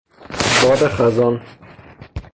باد خزان